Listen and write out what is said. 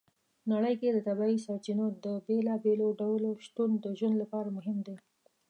نړۍ کې د طبیعي سرچینو د بېلابېلو ډولو شتون د ژوند لپاره مهم دی.